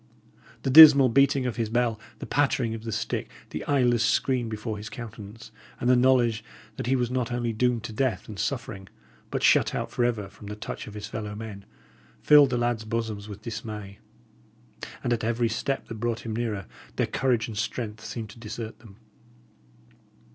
The dismal beating of his bell, the pattering of the stick, the eyeless screen before his countenance, and the knowledge that he was not only doomed to death and suffering, but shut out for ever from the touch of his fellow men, filled the lads' bosoms with dismay; and at every step that brought him nearer, their courage and strength seemed to desert them.